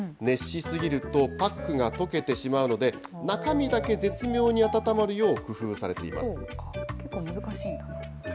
熱し過ぎると、パックが溶けてしまうので、中身だけ絶妙に温まる結構難しいんだ。